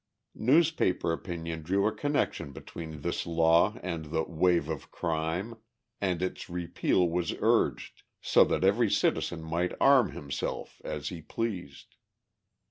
Newspaper opinion drew a connection between this law and the "wave of crime," and its repeal was urged, so that every citizen might arm himself as he pleased.